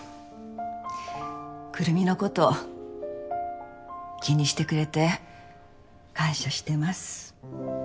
くるみのこと気にしてくれて感謝してます。